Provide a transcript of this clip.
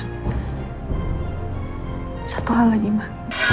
hai aku janji ini terakhir kalinya aku nerepukin punya papa saya